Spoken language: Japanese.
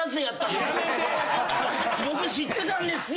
「僕知ってたんですよ」